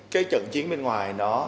cái trận chiến bên ngoài nó